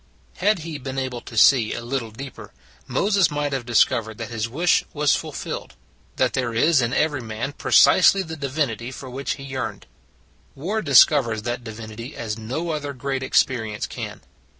Had he been able to see a little deeper, Moses might have discovered that his wish was fulfilled: that there is in every man precisely the divinity for which he yearned. War discovers that divinity as no other great experience can.